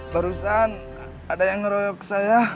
barusan ada yang ngeroyok saya